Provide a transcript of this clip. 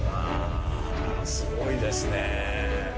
すごいですね。